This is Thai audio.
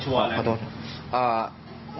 ชัดเลย